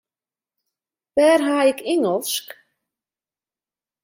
Wêr ha ik Ingelsk?